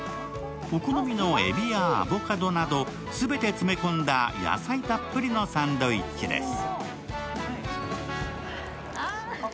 お好みのえびやアボカドなど全て詰め込んだ野菜たっぷりのサンドウィッチです。